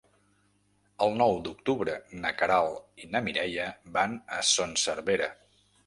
El nou d'octubre na Queralt i na Mireia van a Son Servera.